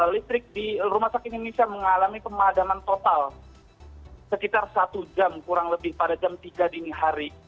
listrik di rumah sakit indonesia mengalami pemadaman total sekitar satu jam kurang lebih pada jam tiga dini hari